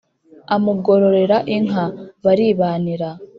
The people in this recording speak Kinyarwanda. amugororera inka, baribanira